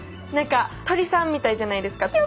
何か鳥さんみたいじゃないですか。